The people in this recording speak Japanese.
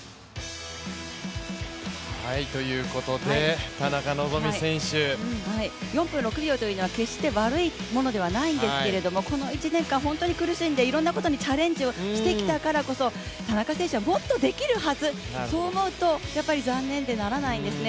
ということで、田中希実選手４分６秒というのは決して悪いものではないんですけれどもこの１年間、ホントに苦しんで、いろんなことにチャレンジをしてきたからこそ田中選手はもっとできるはず、そう思うとやっぱり残念でならないですね。